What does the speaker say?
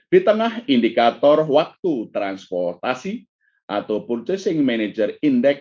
di tengah indikator waktu transportasi atau purchasing manager index